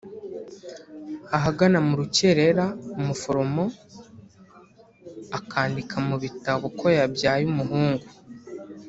ahagana mu rukerera umuforomo akandika mu bitabo ko yabyaye umuhungu